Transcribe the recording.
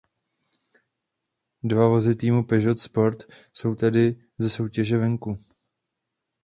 Dva vozy týmu Peugeot Sport jsou tedy ze soutěže venku.